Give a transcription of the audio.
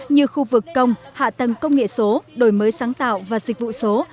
như khu vực công hạ tầng công nghệ số đổi mới sáng tạo và dịch vụ số